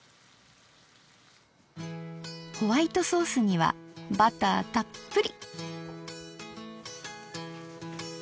ホワイトソースにはバターたっぷり。